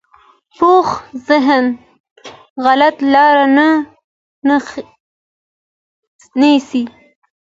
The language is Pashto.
پوخ ذهن غلطه لاره نه نیسي